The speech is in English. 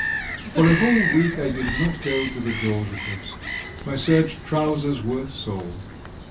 For a whole week I did not go to the Dolzhikovs'. My serge trousers were sold.